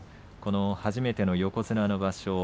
初めての横綱の場所